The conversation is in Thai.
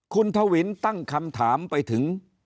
คุณทวินตั้งคำถามไปถึง